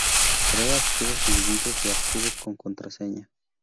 Crea archivos divididos y archivos con contraseña.